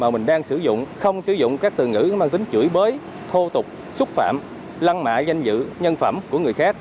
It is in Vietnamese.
mình đang sử dụng không sử dụng các từ ngữ mang tính chửi bới thô tục xúc phạm lăng mạ danh dự nhân phẩm của người khác